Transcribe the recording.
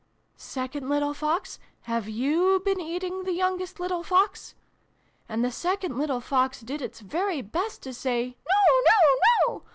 'Second little Fox, have you been eating the youngest little Fox ?' And the second little Fox did its very best to say 'No no no!'